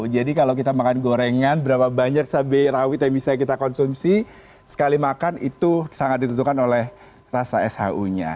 jadi kalau kita makan gorengan berapa banyak cabai rawit yang bisa kita konsumsi sekali makan itu sangat ditentukan oleh rasa shu nya